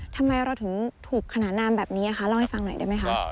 ทำไมเราถึงถูกขนานนามแบบนี้คะเล่าให้ฟังหน่อยได้ไหมคะ